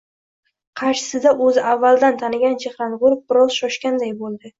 Qarshisida o'zi avvaldan tanigan chehrani ko'rib, biroz shoshganday bo'ldi.